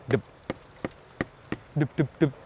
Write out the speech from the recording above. dib dib dib dib